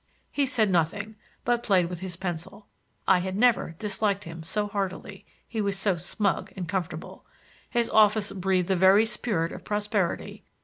He said nothing, but played with his pencil. I had never disliked him so heartily; he was so smug and comfortable. His office breathed the very spirit of prosperity.